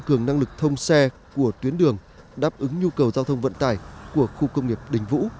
cường năng lực thông xe của tuyến đường đáp ứng nhu cầu giao thông vận tải của khu công nghiệp đình vũ